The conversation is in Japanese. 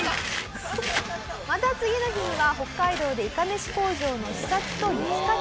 また次の日には北海道でいかめし工場の視察と雪かき。